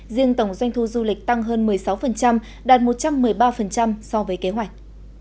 riêng tổng doanh thu du lịch tăng hơn một mươi sáu đạt một trăm một mươi ba so với kế hoạch